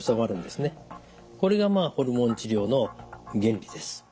これがホルモン治療の原理です。